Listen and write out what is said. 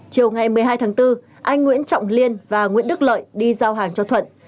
chiều ngày một mươi hai tháng bốn anh nguyễn trọng liên và nguyễn đức lợi đi giao hàng cho thuận